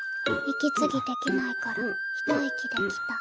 息継ぎできないからひと息で来た。